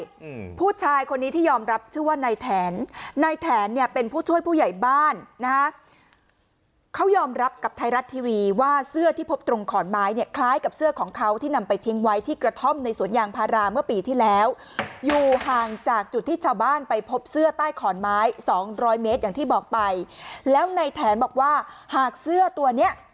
อืมผู้ชายคนนี้ที่ยอมรับชื่อว่านายแถนในแถนเนี่ยเป็นผู้ช่วยผู้ใหญ่บ้านนะฮะเขายอมรับกับไทยรัฐทีวีว่าเสื้อที่พบตรงขอนไม้เนี่ยคล้ายกับเสื้อของเขาที่นำไปทิ้งไว้ที่กระท่อมในสวนยางพาราเมื่อปีที่แล้วอยู่ห่างจากจุดที่ชาวบ้านไปพบเสื้อใต้ขอนไม้สองร้อยเมตรอย่างที่บอกไปแล้วในแถนบอกว่าหากเสื้อตัวเนี้ย